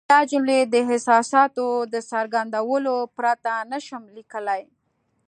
دا جملې د احساساتو د څرګندولو پرته نه شم لیکلای.